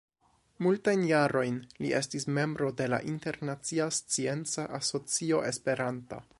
Multajn jarojn li estis membro de la Internacia Scienca Asocio Esperanta.